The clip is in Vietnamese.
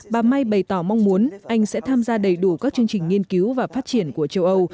bà may bày tỏ mong muốn anh sẽ tham gia đầy đủ các chương trình nghiên cứu và phát triển của châu âu